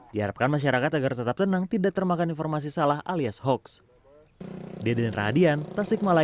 diharapkan masyarakat agar tetap tenang tidak termakan informasi salah alias hoax